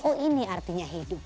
oh ini artinya hidup